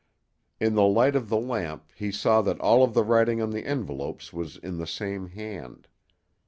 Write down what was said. In the light of the lamp he saw that all of the writing on the envelopes was in the same hand.